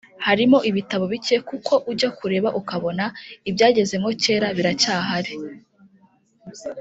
Harimo ibitabo bike kuko ujya kureba ukabona ibyagezemo kera biracyahari